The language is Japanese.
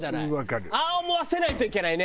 ああ思わせないといけないね